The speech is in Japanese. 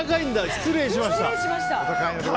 失礼しました。